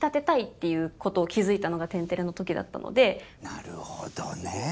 なるほどね！